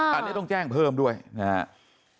อันนี้ต้องแจ้งเพิ่มด้วยนะครับ